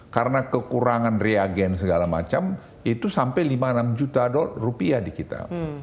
karena kekurangan reagen segala macam itu sampai lima enam juta dolar rupiah di kita